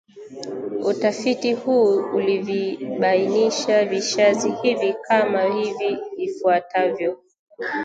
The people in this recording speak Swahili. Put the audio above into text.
Utafiti huu ulivibainisha vishazi hivi kama hivi ifuatavyo